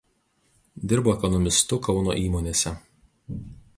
Dirbo ekonomistu Kauno įmonėse.